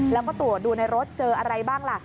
แล้วก็ตรวจดูในรถเจออะไรบ้างล่ะ